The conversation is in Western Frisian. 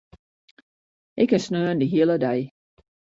Ik kin sneon de hiele dei.